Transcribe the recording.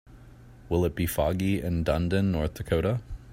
Will it be foggy in Dunedin North Dakota?